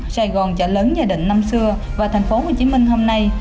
sài gòn trở lớn gia đình năm xưa và tp hcm hôm nay